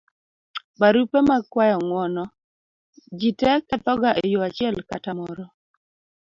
barupe mag kuayo ng'uono; jite kethoga e yo achiel kata moro